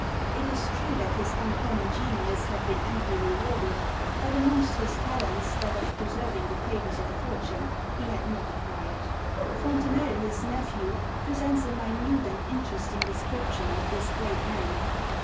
It is true that his uncommon genius had been amply rewarded; but amongst his talents that of preserving the favours of fortune he had not acquired. Fontenelle, his nephew, presents a minute and interesting description of this great man.